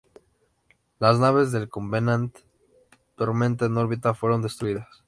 Las naves del Covenant Tormenta en órbita, fueron destruidas.